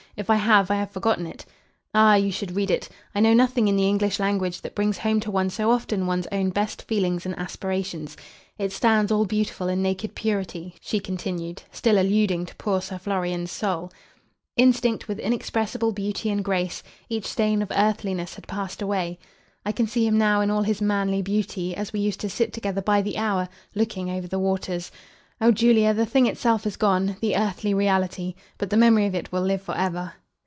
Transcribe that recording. If I have, I have forgotten it." "Ah, you should read it. I know nothing in the English language that brings home to one so often one's own best feelings and aspirations. 'It stands all beautiful in naked purity,'" she continued, still alluding to poor Sir Florian's soul. "'Instinct with inexpressible beauty and grace, Each stain of earthliness had passed away.' I can see him now in all his manly beauty, as we used to sit together by the hour, looking over the waters. Oh, Julia, the thing itself has gone, the earthly reality; but the memory of it will live for ever!"